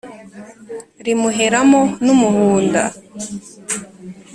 rimuheramo n’ umuhunda :